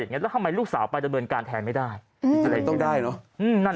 อย่างนี้แล้วทำไมลูกสาวไปดำเนินการแทนไม่ได้ต้องได้เนาะนั่น